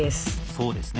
そうですね。